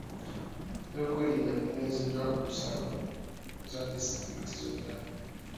Ebyokwerinda binywezeddwa ku nsalo za disitulikiti zonna.